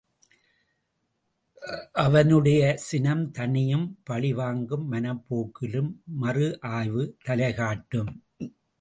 அவனுடைய சினம் தணியும், பழிவாங்கும் மனப் போக்கிலும் மறு ஆய்வு தலைகாட்டும்.